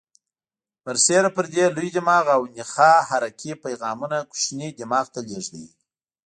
برسیره پر دې لوی دماغ او نخاع حرکي پیغامونه کوچني دماغ ته لېږدوي.